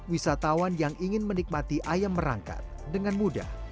wisatawan yang ingin menikmati ayam merangkat dengan mudah